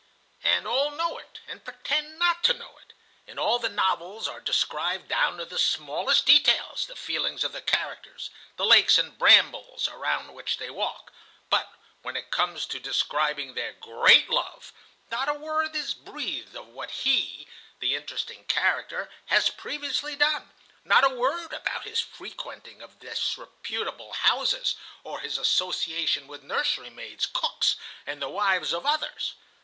"And all know it, and pretend not to know it. In all the novels are described down to the smallest details the feelings of the characters, the lakes and brambles around which they walk; but, when it comes to describing their great love, not a word is breathed of what He, the interesting character, has previously done, not a word about his frequenting of disreputable houses, or his association with nursery maids, cooks, and the wives of others.